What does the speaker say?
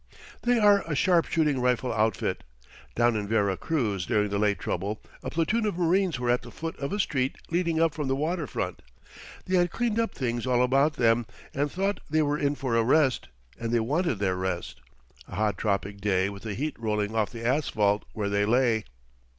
They are a sharpshooting rifle outfit. Down in Vera Cruz during the late trouble a platoon of marines were at the foot of a street leading up from the water front. They had cleaned up things all about them and thought they were in for a rest; and they wanted their rest a hot tropic day with the heat rolling off the asphalt where they lay.